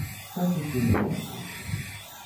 Так ўсё і ўладзілася.